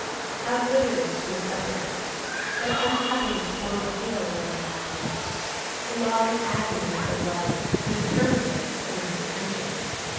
How good it is to have suffered! Their unhappiness formed a halo round their happiness. The long agony of their love was terminating in an ascension.